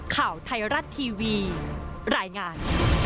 ข่าวไทยรัฐทีวีรายงาน